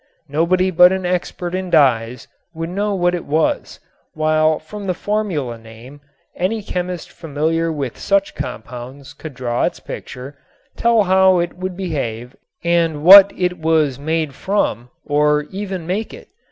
Nobody but an expert in dyes would know what it was, while from the formula name any chemist familiar with such compounds could draw its picture, tell how it would behave and what it was made from, or even make it.